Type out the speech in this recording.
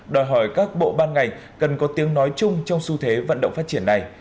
đòi hỏi các bộ ban ngành cần có tiếng nói chung trong xu thế vận động phát triển này